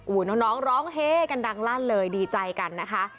น้องร้องเฮกันดังลั่นเลยดีใจกันนะคะ